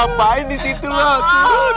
lo ngapain di situ loh turun